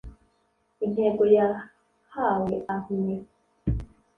intego yahawe Arme